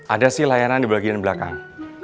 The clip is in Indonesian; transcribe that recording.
ada sih layanan di bagian belakang